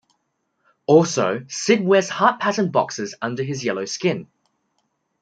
Also, Sid wears heart-patterned boxers under his yellow skin.